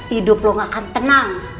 hidup lo gak akan tenang